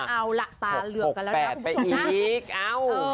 เอาละตาเรือกกันแล้วแล้วคุณผู้ชม